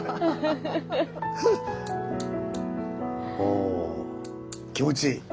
おぉ気持ちいい！